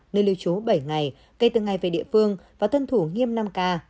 nơi lưu trú bảy ngày kể từ ngày về địa phương và tuân thủ nghiêm năm k